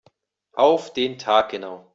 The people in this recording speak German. Auf den Tag genau.